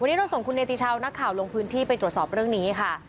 วันนี้เราส่งคุณเนติชาวนักข่าวลงพื้นที่ไปตรวจสอบเรื่องนี้ค่ะ